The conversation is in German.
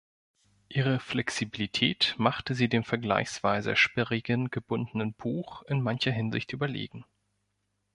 Ihre Flexibilität machte sie dem vergleichsweise sperrigen gebundenen Buch in mancher Hinsicht überlegen.